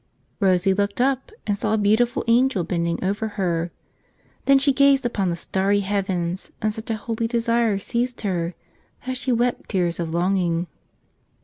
Rosie looked up and saw a beautiful angel bending over her. Then she gazed upon the starry heavens, and such a holy desire seized her that she wept tears of longing.